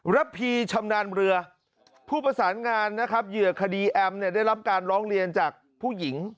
ระพีชำนาญเรือผู้ประสานงานนะครับเหยื่อคดีแอมเนี่ยได้รับการร้องเรียนจากผู้หญิง